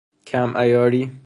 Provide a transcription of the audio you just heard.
کم عیاری